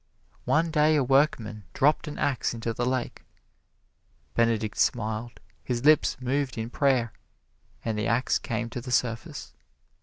One day a workman dropped an ax into the lake. Benedict smiled, his lips moved in prayer and the ax came to the surface.